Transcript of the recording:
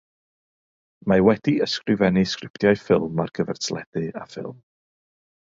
Mae wedi ysgrifennu sgriptiau ffilm ar gyfer teledu a ffilm.